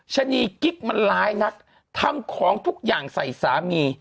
ชะนีกิ๊กมันร้ายนักทำของทุกอย่างใส่สามี